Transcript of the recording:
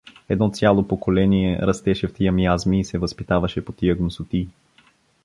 Едно цяло поколение растеше в тия миазми и се възпитаваше по тия гнусотии.